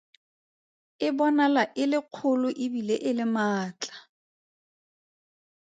E bonala e le kgolo e bile e le maatla.